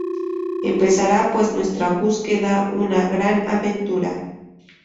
Empezará pues nuestra búsqueda, una gran aventura.